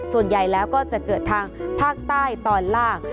ส่วนใหญ่แล้วก็จะเกิดทางภาคใต้ตอนล่าง